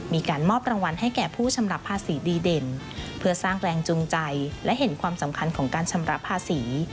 มีการมอบรางวัลให้แก่ผู้ชำระภาษีดีเด่นเพื่อสร้างแรงจูงใจและเห็นความสำคัญของการชำระภาษี